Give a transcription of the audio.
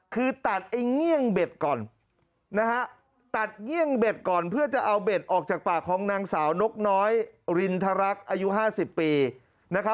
คือตัดเอะเงี่ยงเบ็ดก่อนเพื่อจะเอาเรียนเบ็ดออกจากปากของนางสาวนกน้อยรินทรัคอายุ๕๐ปี